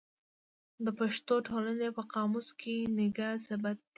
د پښتو ټولنې په قاموس کې نګه ثبت ده.